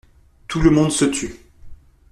Tout le monde se tut.